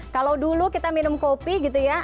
kalau dulu kita minum kopi gitu ya